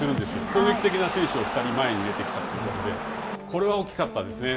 攻撃的な選手を２人、前に入れてきたということで、これが大きかったですね。